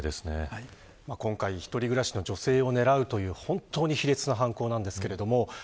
今回、一人暮らしの女性を狙うという本当に卑劣な犯行なんですけれども。